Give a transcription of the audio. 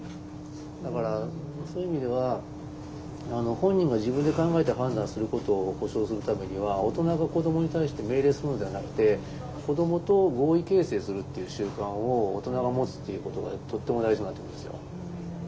だからそういう意味では本人が自分で考えて判断することを保障するためには大人が子どもに対して命令するのではなくて子どもと合意形成するっていう習慣を大人が持つっていうことがとっても大事になってくるんですよ。